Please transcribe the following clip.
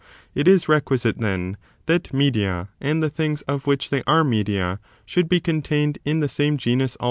It is requisite, then, that media, and the things of which they are media, should be contained in the some genus also with themselves.